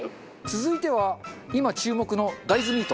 続いては今注目の大豆ミート。